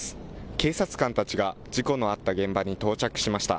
警察官たちが事故のあった現場に到着しました。